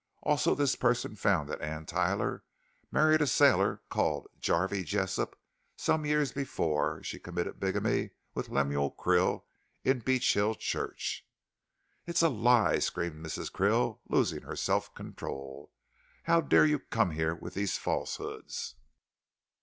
Also this person found that Anne Tyler married a sailor called Jarvey Jessop some years before she committed bigamy with Lemuel Krill in Beechill Church " "It's a lie!" screamed Mrs. Krill, losing her self control. "How dare you come here with these falsehoods?"